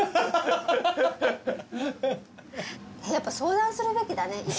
やっぱ相談するべきだね